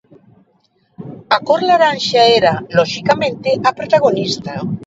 A cor laranxa era, loxicamente a protagonista.